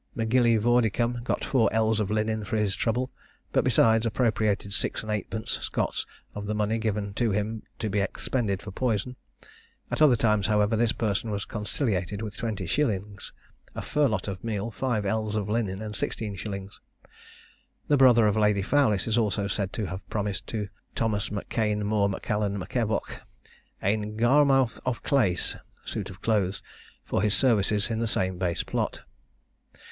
M'Gillievoricdam got four ells of linen for his trouble, but, besides, appropriated six and eightpence (Scots) of the money given to him to be expended for poison; at other times, however, this person was conciliated with 20s., a firlot of meal, five ells of linen, and 16s. The brother of Lady Fowlis is also said to have promised to Thomas M'Kane More M'Allan M'Evoch 'ane garmounthe of clais' (suit of clothes) for his services in the same base plot.